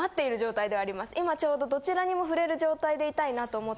今ちょうどどちらにも振れる状態でいたいなと思って。